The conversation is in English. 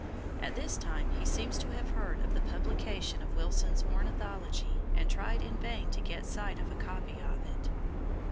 At this time he seems to have heard of the publication of Wilson's "Ornithology," and tried in vain to get sight of a copy of it.